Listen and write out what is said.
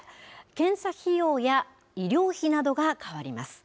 検査費用や医療費などが変わります。